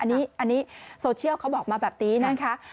อันนี้อันนี้โซเชียลเขาบอกมาแบบนี้นะครับ